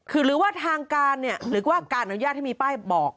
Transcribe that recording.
คือหรือว่าทางการเนี่ยหรือว่าการอนุญาตให้มีป้ายบอก